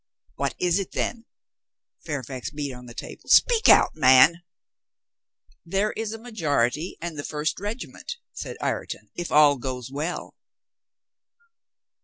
"What is it then?" Fairfax beat on the table. "Speak out, man." "There is a majority and the first regiment," said Ireton, "if all goes well."